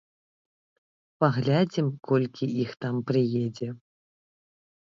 Паглядзім колькі іх там прыедзе.